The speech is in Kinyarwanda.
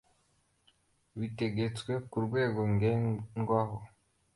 bitegetswe ku rwego ngenderwaho